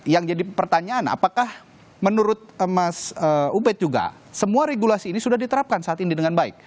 yang jadi pertanyaan apakah menurut mas ubed juga semua regulasi ini sudah diterapkan saat ini dengan baik